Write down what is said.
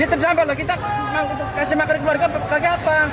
ya terdampak lah kita kasih makanan keluarga pakai apa